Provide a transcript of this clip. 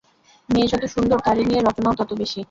মেয়ে যত সুন্দর তারে নিয়া রটনাও তত বেশি।